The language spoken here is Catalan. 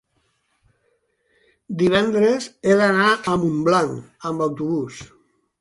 divendres he d'anar a Montblanc amb autobús.